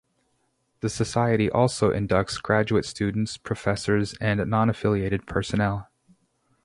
The society also inducts graduate students, professors, and non-affiliated personnel.